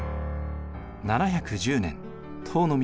７１０年唐の都